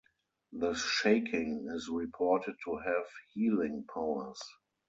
The shaking is reported to have healing powers.